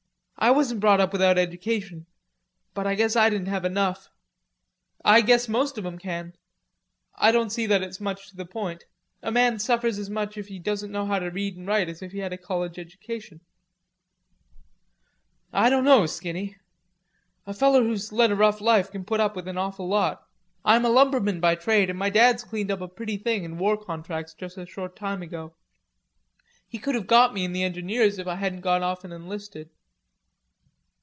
I wasn't brought up without edication, but I guess I didn't have enough." "I guess most of 'em can; I don't sec that it's much to the point. A man suffers as much if he doesn't know how to read and write as if he had a college education." "I dunno, Skinny. A feller who's led a rough life can put up with an awful lot. The thing is, Skinny, I might have had a commission if I hadn't been so damned impatient.... I'm a lumberman by trade, and my dad's cleaned up a pretty thing in war contracts jus' a short time ago. He could have got me in the engineers if I hadn't gone off an' enlisted."